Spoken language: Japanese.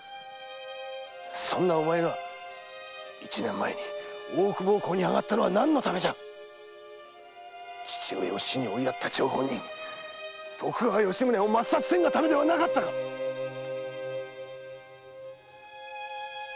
そんなお前が一年前に大奥奉公に上がったのは何のためじゃ⁉父上を死に追いやった張本人徳川吉宗を抹殺せんがためではなかったかっ